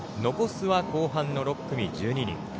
残すは後半の６組１２人。